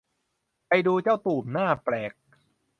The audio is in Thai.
ไปดูเจ้าตูบหน้าแปลก